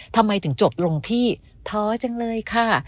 ทำไมถึงจบลงที่ท้อจังเลยค่ะ